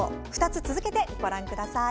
２つ続けてご覧ください。